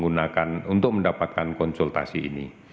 untuk mendapatkan konsultasi ini